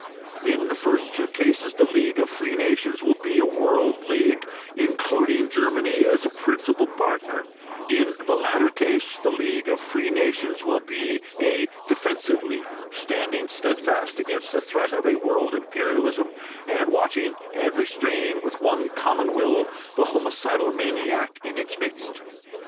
In the first two cases the League of Free Nations will be a world league including Germany as a principal partner, in the latter case the League of Free Nations will be a defensive league standing steadfast against the threat of a world imperialism, and watching and restraining with one common will the homicidal maniac in its midst.